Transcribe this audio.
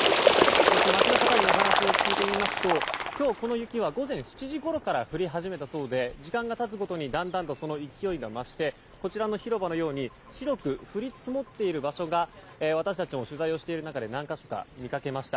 そして、街の方にお話を聞いてみますと今日、この雪は午前７時ごろから降り始めたそうで時間が経つごとにだんだんとその勢いが増してこちらの広場のように白く降り積もっている場所が私たちも取材をしている中で何か所か見つけました。